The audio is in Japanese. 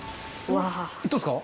どうですか？